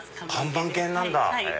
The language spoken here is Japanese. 看板犬なんだ！